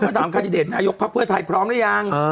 ถามคาดิเดตนายกภักดิ์เพื่อไทยพร้อมหรือยัง